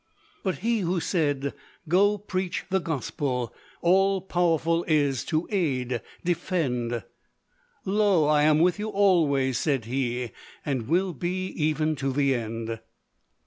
"But He who said 'Go preach the gospel,' All powerful is, to aid, defend; 'Lo I am with you always,' said he, 'And will be even to the end.'